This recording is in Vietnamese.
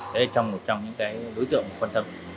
đấy là trong một trong những cái đối tượng quan tâm